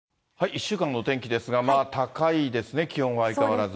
１週間のお天気ですが、高いですね、気温は相変わらず。